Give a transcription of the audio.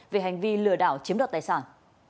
về hành vi lừa đảo chiếm đợt tài sản